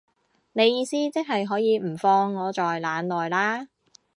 你意思即係可以唔放我在眼內啦